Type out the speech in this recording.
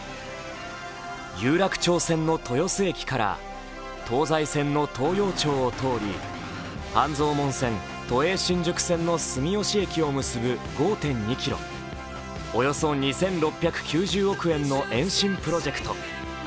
有楽町線の豊洲駅から東西線の東陽町を通り半蔵門線・都営新宿線の住吉駅を結ぶ５．２ｋｍ、およそ２６９０億円の延伸プロジェクト。